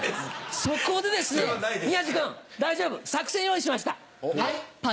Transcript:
そこでですね宮治君大丈夫作戦用意しました。